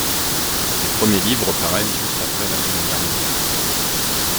Ses premiers livres paraissent juste après la Seconde Guerre mondiale.